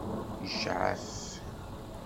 Yecɛef?